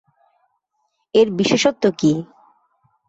এর বিশেষত্ব কী?